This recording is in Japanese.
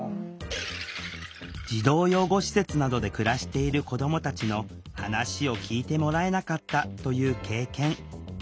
児童養護施設などで暮らしている子どもたちの話を聴いてもらえなかったという経験。